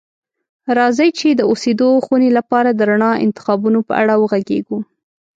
راځئ چې د اوسیدو خونې لپاره د رڼا انتخابونو په اړه وغږیږو.